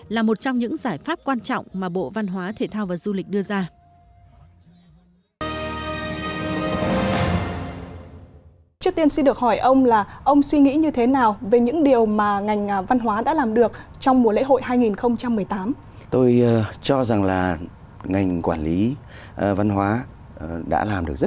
là một trong những giải pháp quan trọng mà bộ văn hóa thể thao và du lịch đưa ra